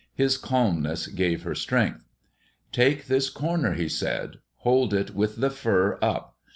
His calmness gave her strength. "Take this corner," he said. "Hold it with the fur up.